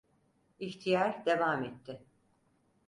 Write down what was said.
İhtiyar devam etti: